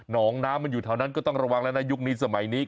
งน้ำมันอยู่แถวนั้นก็ต้องระวังแล้วนะยุคนี้สมัยนี้